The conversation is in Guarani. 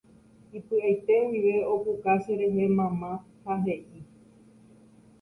Ipy'aite guive opuka cherehe mama ha he'i.